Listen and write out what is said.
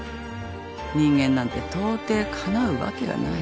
人間なんてとうていかなうわけがない。